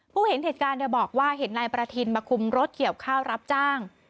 เห็นเหตุการณ์บอกว่าเห็นนายประทินมาคุมรถเกี่ยวข้าวรับจ้าง